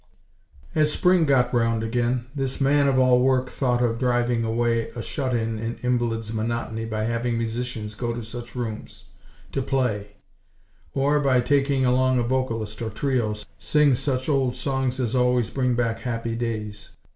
As Spring got around again, this "man of all work" thought of driving away a shut in invalid's monotony by having musicians go to such rooms, to play; or, by taking along a vocalist or trio, sing such old songs as always bring back happy days.